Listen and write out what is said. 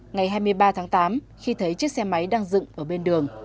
ngày hai mươi ba tháng tám khi thấy chiếc xe máy đang dựng ở bên đường